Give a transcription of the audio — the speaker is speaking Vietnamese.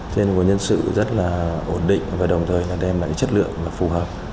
nên của nhân sự rất là ổn định và đồng thời đem lại cái chất lượng phù hợp